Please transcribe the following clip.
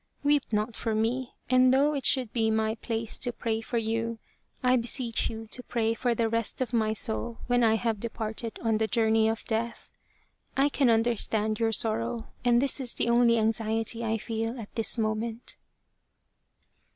Weep not for me, and though it should be my place to pray for you, I be seech you to pray for the rest of my soul when I have departed on the journey of death. I can understand your sorrow, and this is the only anxiety I feel at this moment."